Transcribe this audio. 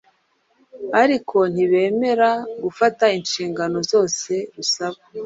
ariko ntibemere fugata inshingano zose rusaba.